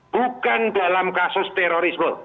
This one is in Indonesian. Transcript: bukan dalam kasus terorismo